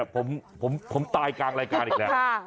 ผมตายกลางรายการอีกแล้ว